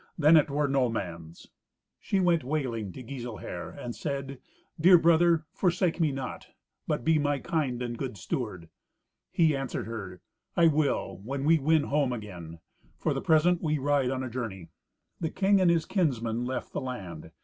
Then it were no man's." She went wailing to Giselher, and said, "Dear brother, forsake me not, but be my kind and good steward." He answered her, "I will, when we win home again. For the present we ride on a journey." The king and his kinsmen left the land.